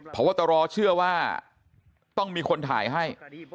เพราะว่าตรอเชื่อว่าต้องมีคนถ่ายให้